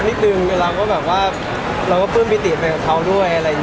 อ๋อพี่ทึ่งเพื่อนเหมือนเราก็พื้นพิติไปกับเขาด้วย